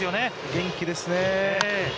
元気ですね。